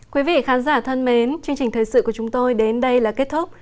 quý vị khán giả thân mến chương trình thời sự của chúng tôi đến đây là kết thúc